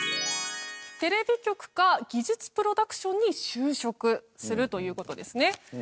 テレビ局か技術プロダクションに就職するという事ですね。